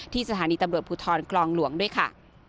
สถานีตำรวจภูทรคลองหลวงด้วยค่ะ